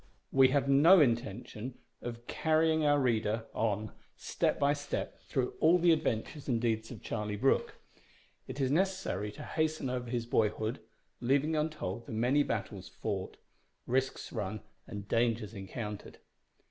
We have no intention of carrying our reader on step by step through all the adventures and deeds of Charlie Brooke. It is necessary to hasten over his boyhood, leaving untold the many battles fought, risks run, and dangers encountered.